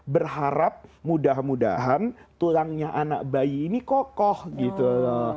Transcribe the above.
berharap mudah mudahan tulangnya anak bayi ini kokoh gitu loh